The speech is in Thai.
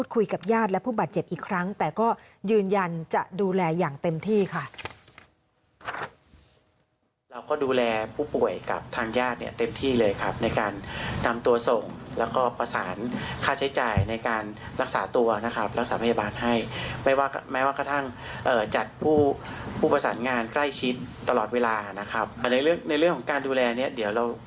คุยกับญาติและผู้บาดเจ็บอีกครั้งแต่ก็ยืนยันจะดูแลอย่างเต็มที่ค่ะแล้วก็ดูแลผู้ป่วยกับทางญาติเนี้ยเต็มที่เลยครับในการนำตัวส่งแล้วก็ประสานค่าใช้จ่ายในการรักษาตัวนะครับรักษาพยาบาลให้ไม่ว่าแม้ว่ากระทั่งเอ่อจัดผู้ผู้ประสานงานใกล้ชิดตลอดเวลานะครับแต่ในเรื่องในเรื่องของการดูแล